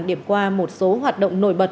điểm qua một số hoạt động nổi bật